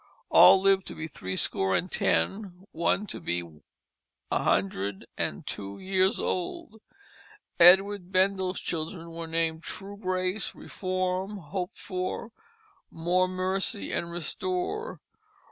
All lived to be threescore and ten, one to be a hundred and two years old. Edward Bendall's children were named Truegrace, Reform, Hoped for, More mercy, and Restore.